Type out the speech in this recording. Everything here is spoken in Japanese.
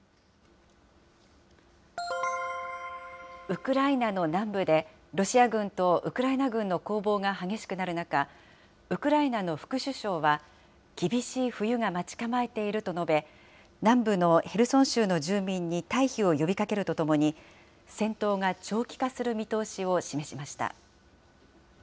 ウクライナの南部で、ロシア軍とウクライナ軍の攻防が激しくなる中、ウクライナの副首相は、厳しい冬が待ち構えていると述べ、南部のヘルソン州の住民に退避を呼びかけるとともに、戦闘が長期化する見通しを示しました。